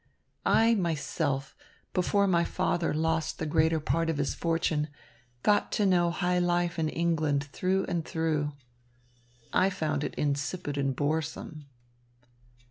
I, myself, before my father lost the greater part of his fortune, got to know high life in England through and through. I found it insipid and boresome."